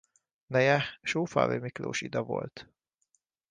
Neje Sófalvi Miklós Ida volt.